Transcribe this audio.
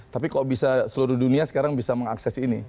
tapi kok bisa seluruh dunia sekarang bisa mengakses ini